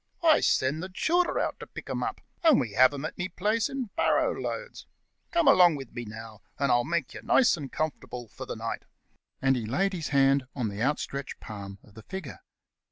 Oi send the childer out to pick 'em up, and we have 'em at me place in barrow loads. Come along wid me now, and Oi'll make you nice and comfortable for the night," and he laid his hand on the outstretched palm of the figure.